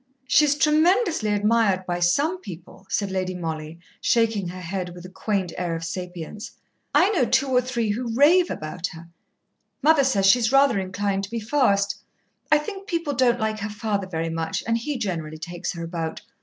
"She's tremendously admired by some people," said Lady Mollie, shaking her head with a quaint air of sapience. "I know two or three who rave about her. Mother says she's rather inclined to be fast. I think people don't like her father very much, and he generally takes her about.